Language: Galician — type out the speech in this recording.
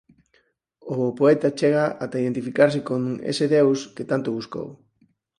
O poeta chega ata a identificarse con ese deus que tanto buscou.